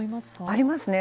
ありますね。